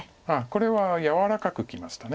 これは柔らかくきました。